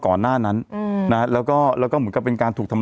ก่อนหน้านั้นอืมน่ะแล้วก็แล้วก็เหมือนกับเป็นการถูกทำ